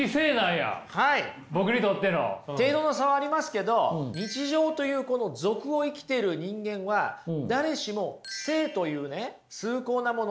程度の差はありますけど日常というこの俗を生きてる人間は誰しも聖というね崇高なもの